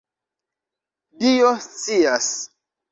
Dio scias!